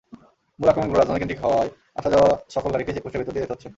মূলত আক্রমণগুলো রাজধানীকেন্দ্রিক হওয়ায় আসা-যাওয়া সকল গাড়িকেই চেকপোস্টের ভেতর দিয়ে যেতে হচ্ছে।